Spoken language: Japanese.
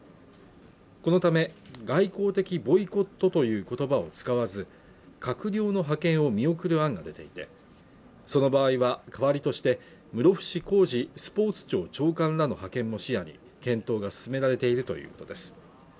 このため外交的ボイコットという言葉を使わず閣僚の派遣を見送る案が出ていてその場合は代わりとして室伏広治スポーツ庁長官らの派遣も視野に検討が進められているということです